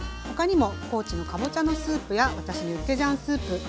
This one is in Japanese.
ほかにもコーチのかぼちゃのスープや私のユッケジャンスープ。